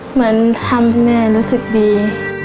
เหมือนทำให้แม่รู้สึกดี